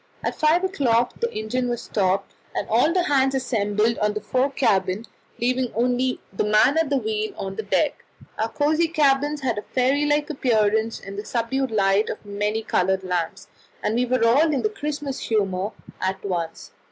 At five o'clock the engine was stopped, and all hands assembled in the fore cabin, leaving only the man at the wheel on deck. Our cosy cabins had a fairy like appearance in the subdued light of the many coloured lamps, and we were all in the Christmas humour at once.